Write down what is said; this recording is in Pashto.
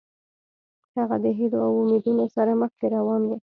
هغه د هیلو او امیدونو سره مخکې روان و.